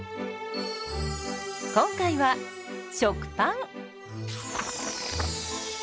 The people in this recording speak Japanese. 今回は食パン。